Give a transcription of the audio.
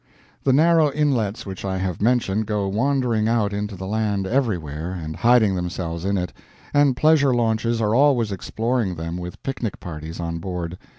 The narrow inlets which I have mentioned go wandering out into the land everywhere and hiding themselves in it, and pleasure launches are always exploring them with picnic parties on board.